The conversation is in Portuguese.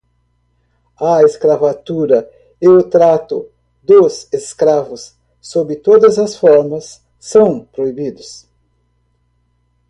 a escravatura e o trato dos escravos, sob todas as formas, são proibidos.